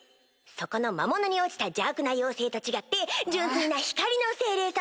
そこの魔物に落ちた邪悪な妖精と違って純粋な光の精霊様だよ！